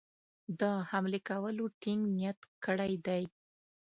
د حملې کولو ټینګ نیت کړی دی.